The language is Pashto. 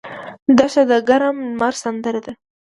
دښته د ګرم لمر سندره ده.